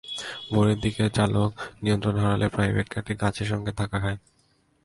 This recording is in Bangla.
ভোরের দিকে চালক নিয়ন্ত্রণ হারালে প্রাইভেট কারটি গাছের সঙ্গে ধাক্কা খায়।